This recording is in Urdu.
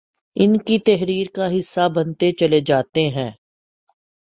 ان کی تحریر کا حصہ بنتے چلے جاتے ہیں